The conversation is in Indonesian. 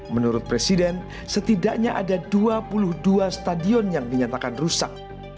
menurut presiden setidaknya ada dua puluh dua stadion yang dinyatakan rusak